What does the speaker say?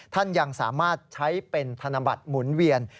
ท่านยังสามารถใช้เป็นธนบัตรหมุนเวียน